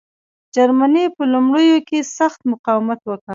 جرمني په لومړیو کې سخت مقاومت وکړ.